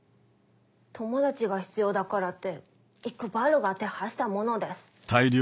友達が必要だからってイクバルが手配したものです。